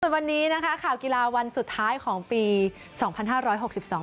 วันนี้นะคะข่าวกีฬาวันสุดท้ายของปีสองพันห้าร้อยหกสิบสอง